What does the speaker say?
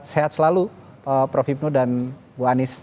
sehat selalu prof hipnu dan bu anies